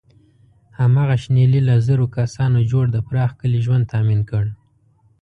هماغه شنیلي له زرو کسانو جوړ د پراخ کلي ژوند تأمین کړ.